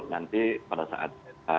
nanti pada saat